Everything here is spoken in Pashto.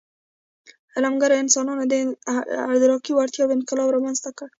عقلمنو انسانانو د ادراکي وړتیاوو انقلاب رامنځ ته کړ.